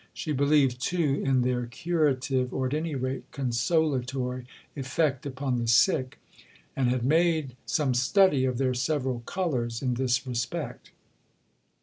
She believed, too, in their curative, or at any rate consolatory, effect upon the sick, and had made some study of their several colours in this respect.